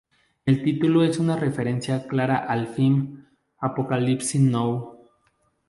El título es una referencia clara al film "Apocalypse Now".